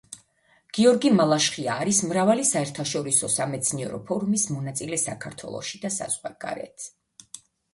გიორგი მალაშხია არის მრავალი საერთაშორისო სამეცნიერო ფორუმის მონაწილე საქართველოში და საზღვარგარეთ.